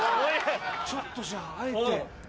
ちょっとじゃああえて。